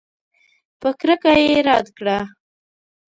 په کرکه یې رد کړه.